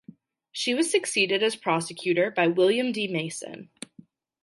She was succeeded as prosecutor by William D. Mason.